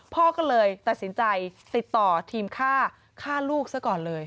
พ่อก็เลยตัดสินใจติดต่อทีมฆ่าฆ่าลูกซะก่อนเลย